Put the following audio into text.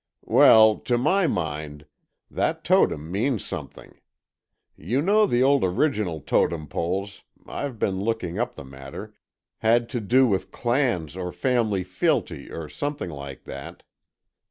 "Well, to my mind, that Totem means something. You know the old original Totem Poles,—I've been looking up the matter,—had to do with clans or family fealty or something like that."